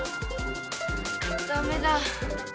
ダメだ。